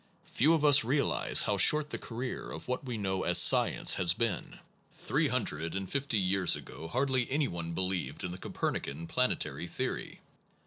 Few of us realize how short the career of what we know as * science has been. Three hundred and fifty years ago hardly any one believed in the Coper nican planetary theory.